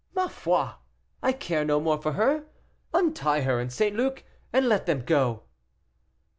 "Ma foi! I care no more for her. Untie her and St. Luc, and let them go."